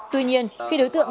tuy nhiên khi đối tượng